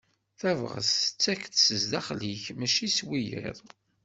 Tabɣest tettek-d s daxel-ik mačči s wiyiḍ.